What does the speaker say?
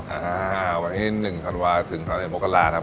วันนี้๑ธันวาค์ถึงธันวิทยาลัยโมกราชครับ